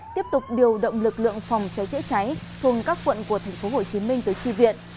tiếp tục điều động lực lượng phòng cháy chữa cháy thuồng các quận của tp hcm tới tri viện